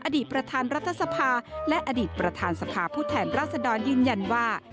อดีตประธานรัฐสภาและอดีตประธานสภาผู้แทนรัศดรยืนยันว่า